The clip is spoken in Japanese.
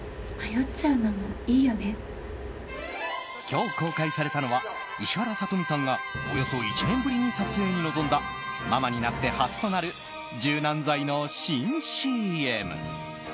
今日、公開されたのは石原さとみさんがおよそ１年ぶりに撮影に臨んだママになって初となる柔軟剤の新ＣＭ。